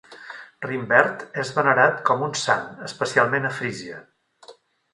Rimbert és venerat com un sant, especialment a Frísia.